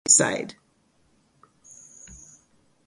Most of them died from suicide.